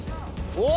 お！